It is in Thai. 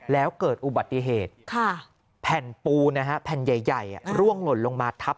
แล้วเกิดอุบัติเหตุแผ่นปูนะฮะแผ่นใหญ่ร่วงหล่นลงมาทับ